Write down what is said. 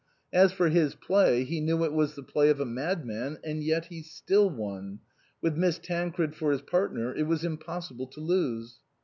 As for his play, he knew it was the play of a madman. And yet he still won ; with Miss Tancred for his partner it was impossible to lose.